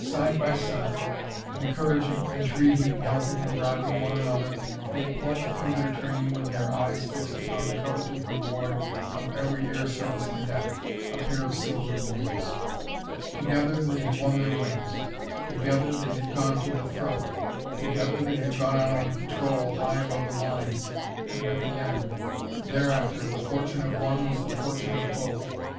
Side by side, encouraging, entreating, helping and driving one another they plugged through their training with their eyes fixed upon the coveted reward of every air service cadet a pair of silvered wings! Together they had won their wings; together they had gone to the front; together they had gone out on patrol, high above the lines, and met the enemy. Thereafter, the fortune of one was the fortune of both.